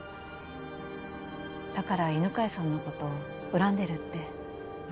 だから犬飼さんのことを恨んでるって。